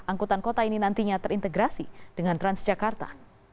angkutan kota ini nantinya terintegrasi dengan transjakarta